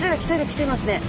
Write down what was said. きてますね。